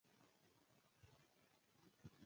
همدا هغه څه و چي زه پرې پوهېږم.